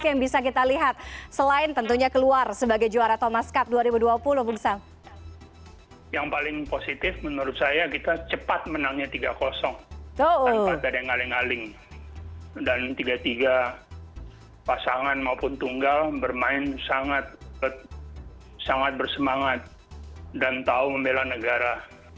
dan tiga tiga pasangan maupun tunggal bermain sangat bersemangat dan tahu membela negara